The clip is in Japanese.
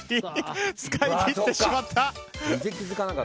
使い切ってしまった。